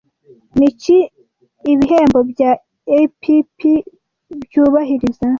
Niki ibihembo bya EPPY byubahiriza